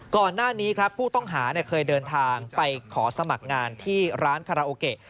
ก่อนหน้านี้ครับผู้ต้องหาเคยเดินทางไปขอสมัครงานที่ร้านคาราโอเกะ